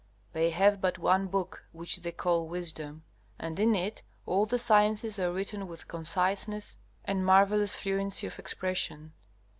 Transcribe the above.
They have but one book, which they call Wisdom, and in it all the sciences are written with conciseness and marvellous fluency of expression.